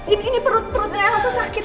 ini perut perutnya elsa sakit